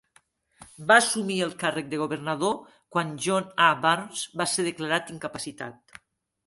Va assumir el càrrec de governador quan John A. Burns va ser declarat incapacitat.